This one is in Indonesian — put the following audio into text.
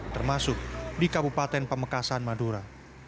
termasuk di kabupaten pamekasan madura